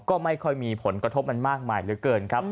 ก็ไม่ค่อยมีผลกระทบมันมากมายเหลือเกินครับ